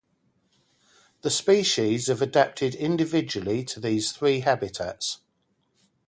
The species have adapted individually to these three habitats.